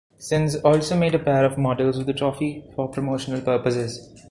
Sinz also made a pair of models of the trophy for promotional purposes.